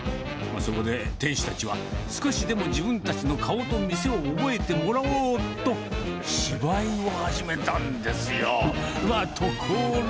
そこで店主たちは、少しでも自分たちの顔と店を覚えてもらおうと、芝居を始めたんですよ。